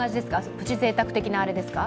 プチぜいたく的なあれですか？